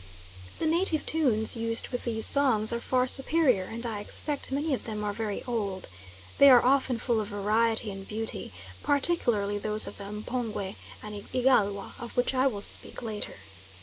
The native tunes used with these songs are far superior, and I expect many of them are very old. They are often full of variety and beauty, particularly those of the M'pongwe and Igalwa, of which I will speak later.